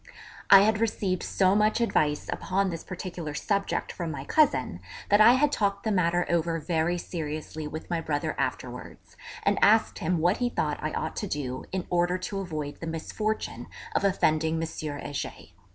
I had received so much advice upon this particular subject from my cousin that I had talked the matter over very seriously with my brother afterwards, and asked him what he thought I ought to do in order to avoid the misfortune of offending M. Heger.